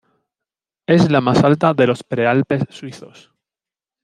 Es la más alta de los Prealpes suizos.